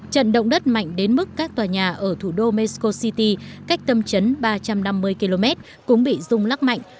trận động đất mạnh đến mức các tòa nhà ở thủ đô mexico city cách tâm chấn ba trăm năm mươi km cũng bị rung lắc mạnh